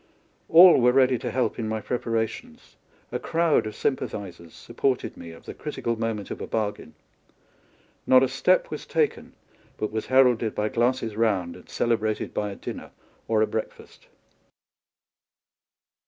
All were ready to help in my pre parations ; a crowd of sympathisers sup ported me at the critical moment of a bargain ; not a step was taken but was heralded by glasses round and celebrated by a dinner or a breakfast.